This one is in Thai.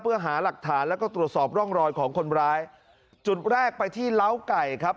เพื่อหาหลักฐานแล้วก็ตรวจสอบร่องรอยของคนร้ายจุดแรกไปที่เล้าไก่ครับ